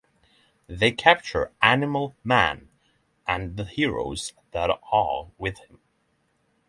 They capture Animal Man and the heroes that are with him.